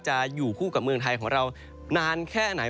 อยู่คู่กับเมืองไทยของเรานานแค่ไหน